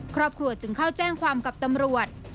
ครอบครัวจึงเข้าแจ้งความกับตำรวจ